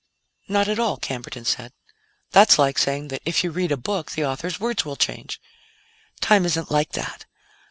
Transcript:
"Not at all," Camberton said; "that's like saying that if you read a book, the author's words will change. "Time isn't like that.